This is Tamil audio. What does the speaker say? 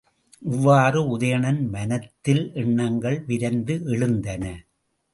இவ்வாறு உதயணன் மனத்தில் எண்ணங்கள் விரைந்து எழுந்தன.